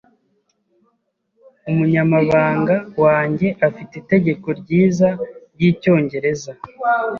Umunyamabanga wanjye afite itegeko ryiza ryicyongereza.